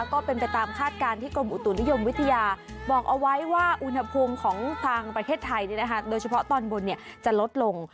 ก็เป็นไปตามคาดการณ์ที่กรมอุตุนิยมวิทยาบอกเอาไว้ว่าอุณหภูมิของทางประเทศไทยโดยเฉพาะตอนบนจะลดลง